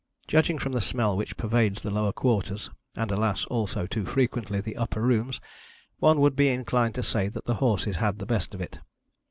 Judging from the smell which pervades the lower quarters, and, alas, also too frequently the upper rooms, one would be inclined to say that the horses had the best of it.